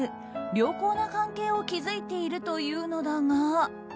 良好な関係を築いているというのだが。